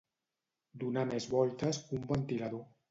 Donar més voltes que un ventilador.